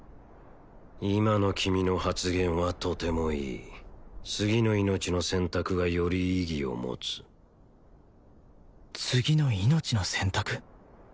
今の君の発言はとてもいい次の命の選択がより意義を持つ次の命の選択？